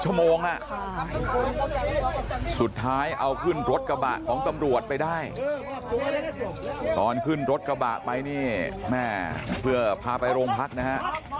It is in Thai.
ตอนขึ้นรถกระบาดไปเนี่ยเพื่อพาไปโรงพักษณ์นะฮะ